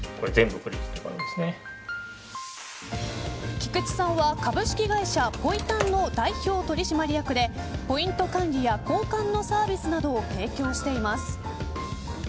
菊地さんは株式会社ポイ探の代表取締役でポイント管理や交換のサービスなどを提供しています。